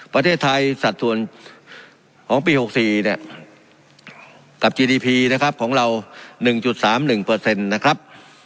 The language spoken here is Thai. ประเทศไทยสัดส่วนของปีหกสี่เนี่ยกับจีดีพีนะครับของเราหนึ่งจุดสามหนึ่งเปอร์เซ็นต์นะครับ